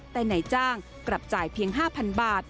แต่นายจ้างกลับจ่ายเพียง๕๐๐๐บาท